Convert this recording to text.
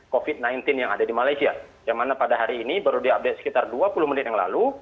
covid sembilan belas yang ada di malaysia yang mana pada hari ini baru diupdate sekitar dua puluh menit yang lalu